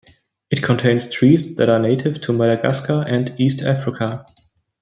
It contains trees that are native to Madagascar and east Africa.